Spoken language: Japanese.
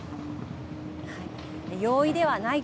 はい。